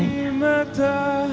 aku juga berharga